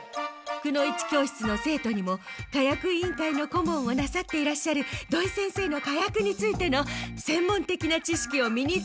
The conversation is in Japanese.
くの一教室の生徒にも火薬委員会の顧問をなさっていらっしゃる土井先生の火薬についての専門的な知識を身につけさせたいと思いまして。